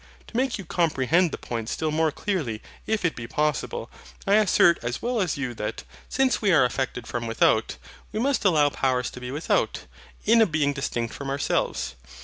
To make you comprehend the point still more clearly if it be possible, I assert as well as you that, since we are affected from without, we must allow Powers to be without, in a Being distinct from ourselves.